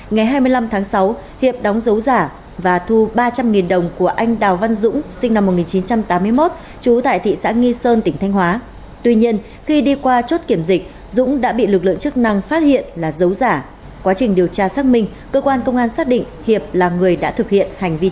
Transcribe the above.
ngày hai mươi năm tháng sáu hiệp đóng dấu giả và thu ba trăm linh đồng của anh đào văn dũng sinh năm một nghìn chín trăm tám mươi một trú tại thị xã nghi sơn tỉnh thanh hóa tuy nhiên khi đi qua chốt kiểm dịch dũng đã bị lực lượng chức năng phát hiện là dấu giả quá trình điều tra xác minh cơ quan công an xác định hiệp là người đã thực hiện hành vi